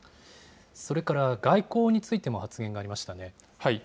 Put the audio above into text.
それから外交についても発言がありましたね。